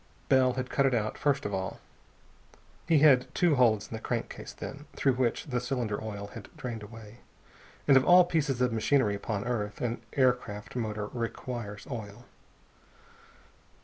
Bell had cut it out, first of all. He had two holes in the crankcase, then, through which the cylinder oil had drained away. And of all pieces of machinery upon earth, an aircraft motor requires oil.